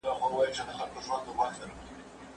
که لارښود لارښوونه ونه کړي نو څېړنه ستونزمنه کېږي.